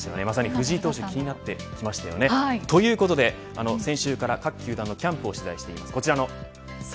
まさに藤井投手気になってきましたよね。ということで先週から各球団のキャンプを取材しています。